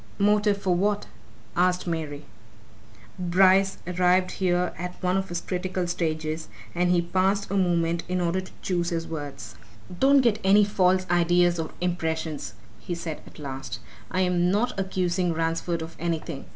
"Motive for what?" asked Mary. Bryce arrived here at one of his critical stages, and he paused a moment in order to choose his words. "Don't get any false ideas or impressions," he said at last. "I'm not accusing Ransford of anything.